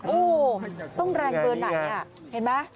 โอ้ต้องแรงเบอร์ไหนนี่เห็นไหม